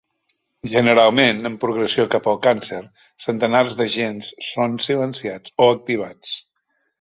Generalment, en progressió cap al càncer, centenars de gens són silenciats o activats.